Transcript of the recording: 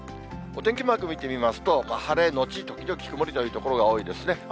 お天気マーク見てみますと、晴れ後時々曇りという所が多いですね。